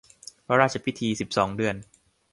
พระราชพิธีสิบสองเดือน